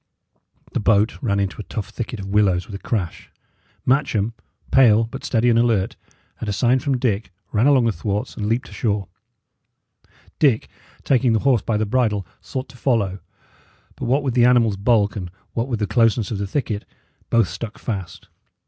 The boat ran into a tough thicket of willows with a crash. Matcham, pale, but steady and alert, at a sign from Dick, ran along the thwarts and leaped ashore; Dick, taking the horse by the bridle, sought to follow, but what with the animal's bulk, and what with the closeness of the thicket, both stuck fast.